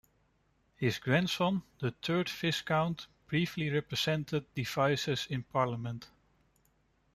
His grandson, the third Viscount, briefly represented Devizes in Parliament.